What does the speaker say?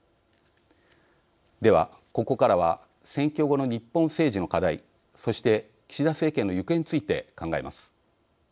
では、ここからは選挙後の日本政治の課題、そして岸田政権の行方について考えます。